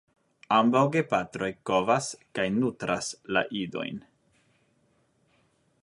Ambaŭ gepatroj kovas kaj nutras la idojn.